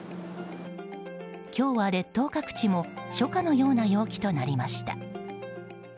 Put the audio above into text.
今日は列島各地も初夏のような陽気となりました。